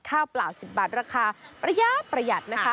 ข้าวเปล่า๑๐บาทราคาประยาบประหยัด